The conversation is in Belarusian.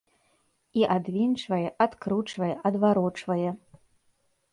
І адвінчвае, адкручвае, адварочвае.